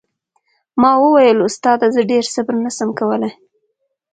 ما وويل استاده زه ډېر صبر نه سم کولاى.